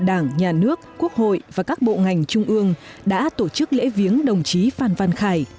đảng nhà nước quốc hội và các bộ ngành trung ương đã tổ chức lễ viếng đồng chí phan văn khải